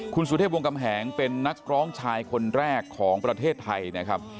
คุณสุเทพวงกำแหงเป็นนักร้องชายคนแรกของประเทศไทยนะครับ